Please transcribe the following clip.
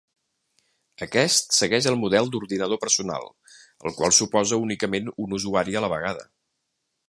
Aquest segueix el model d'ordinador personal, el qual suposa únicament un usuari a la vegada.